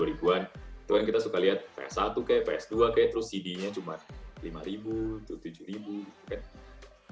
itu kan kita suka liat ps satu kayaknya ps dua kayaknya terus cd nya cuma rp lima rp tujuh gitu kan